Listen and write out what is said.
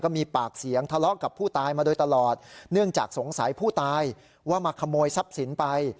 มีปากเสียงทะเลาะกับผู้ตายมาโดยตลอดเนื่องจากสงสัยผู้ตายว่ามาขโมยทรัพย์สินไป